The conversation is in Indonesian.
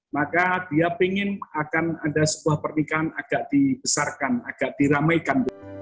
maka dia ingin akan ada sebuah pernikahan agak dibesarkan agak diramaikan